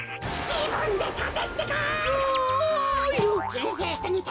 じぶんでたてってか！